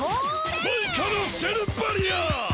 マイカのシェルバリア！